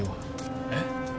えっ？